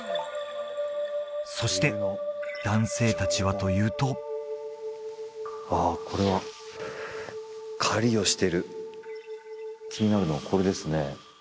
そして男性達はというとあっこれは狩りをしてる気になるのこれですね